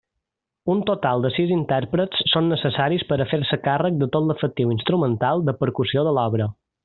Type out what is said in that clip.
Un total de sis intèrprets són necessaris per a fer-se càrrec de tot l'efectiu instrumental de percussió de l'obra.